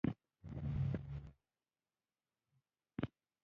تبریز صیب، ضیا صیب او ایاز جان راغلي ول.